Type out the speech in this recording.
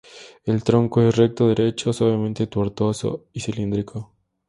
El tronco es recto, derecho o suavemente tortuoso y cilíndrico.